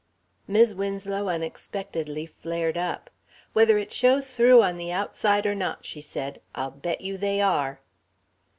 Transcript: Mis' Winslow unexpectedly flared up. "Whether it shows through on the outside or not," she said, "I'll bet you they are."